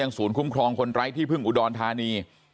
ศูนย์คุ้มครองคนไร้ที่พึ่งอุดรธานี